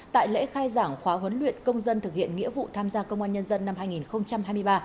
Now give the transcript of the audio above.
tại lễ khai giảng khóa huấn luyện công dân thực hiện nghĩa vụ tham gia công an nhân dân năm hai nghìn hai mươi ba